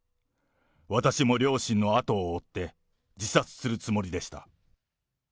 私も両親の後を追って、自殺するつもりでした。